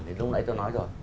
thì lúc nãy tôi nói rồi